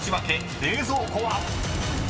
［冷蔵庫は⁉］